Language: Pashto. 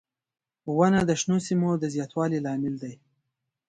• ونه د شنو سیمو د زیاتوالي لامل دی.